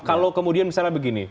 kalau kemudian misalnya begini